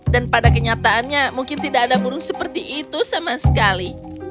dan pada kenyataannya mungkin tidak ada burung seperti itu sama sekali